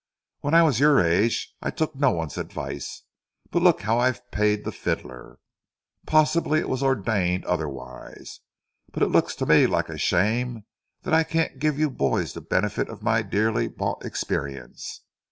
When I was your age, I took no one's advice; but look how I've paid the fiddler. Possibly it was ordained otherwise, but it looks to me like a shame that I can't give you boys the benefit of my dearly bought experience.